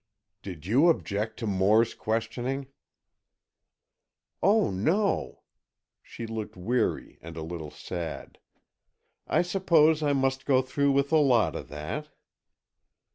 "Did you object to Moore's questioning?" "Oh, no." She looked weary and a little sad. "I suppose I must go through with a lot of that."